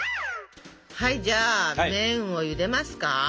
はいじゃあ麺をゆでますか。